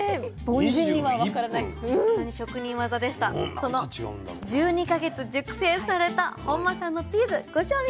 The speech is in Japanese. その１２か月熟成された本間さんのチーズご賞味下さい！